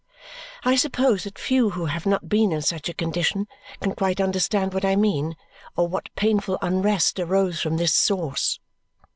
I suppose that few who have not been in such a condition can quite understand what I mean or what painful unrest arose from this source.